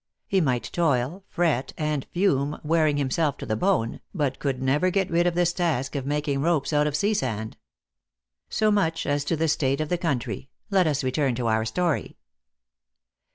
He might toil, fret and fume, wearing himself to the bone, but could never get rid of this task of making ropes out of sea sand. So much as to the state of the country. Let us return to our story.